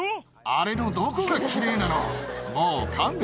あれのどこがきれいなの。